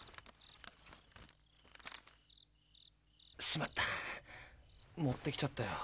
しまった持ってきちゃったよ